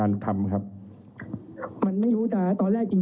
เรามีการปิดบันทึกจับกลุ่มเขาหรือหลังเกิดเหตุแล้วเนี่ย